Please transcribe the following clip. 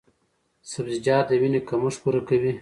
سبزیجات د وینې کمښت پوره کوي۔